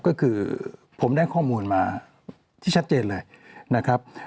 ก็คือผมได้ข้อมูลมาที่ชัดเจนเลยนะครับ